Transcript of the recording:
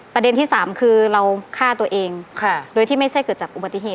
ประเด็นที่สามคือเราฆ่าตัวเองโดยที่ไม่ใช่เกิดจากอุบัติเหตุ